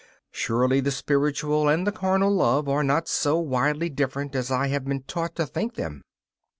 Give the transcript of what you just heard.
Surely the spiritual and the carnal love are not so widely different as I have been taught to think them.